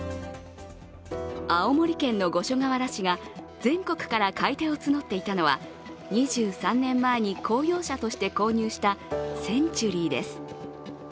青森県の五所川原市が全国から買い手を募っていたのは２３年前に公用車として購入したセンチュリーです。